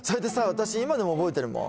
私今でも覚えてるもん